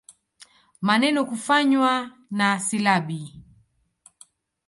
Maneno kufanywa na silabi.